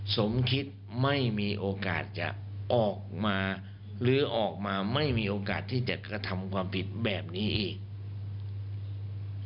สมคิดไม่มีโอกาสจะออกมาหรือออกมาไม่มีโอกาสที่จะกระทำความผิดแบบนี้อีก